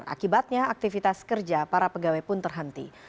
akibatnya aktivitas kerja para pegawai pun terhenti